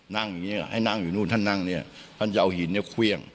นั่งอยู่นั้นนานนั่งท่านจะเอาหินนั้นขวี้ยง